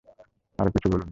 আরো কিছু বলুন।